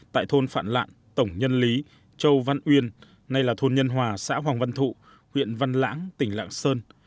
tại thôn phạn lạng tổng nhân lý châu văn uyên nay là thôn nhân hòa xã hoàng văn thụ huyện văn lãng tỉnh lạng sơn